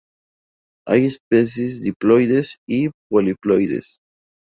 Hay especies diploides y poliploides.